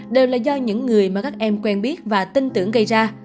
đều là do những người mà các em quen biết và tin tưởng gây ra